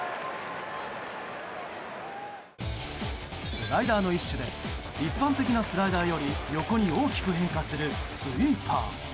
スライダーの一種で一般的なスライダーより横に大きく変化するスイーパー。